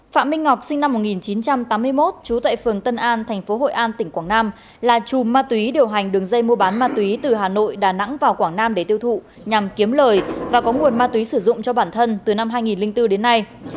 phạm minh ngọc sinh năm một nghìn chín trăm tám mươi một trú tại phường tân an thành phố hội an tỉnh quảng nam là chùm ma túy điều hành đường dây mua bán ma túy từ hà nội đà nẵng vào quảng nam để tiêu thụ nhằm kiếm lời và có nguồn ma túy sử dụng cho bản thân từ năm hai nghìn bốn đến nay